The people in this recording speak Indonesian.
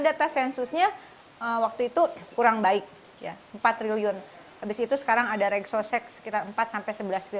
biasanya waktu itu kurang baik ya empat tiryun habits itu sekarang ada regsosek sekitar empat sebelas